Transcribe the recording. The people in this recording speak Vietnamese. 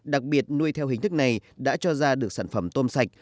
đặc biệt nuôi theo hình thức này đã cho ra được sản phẩm tôm sạch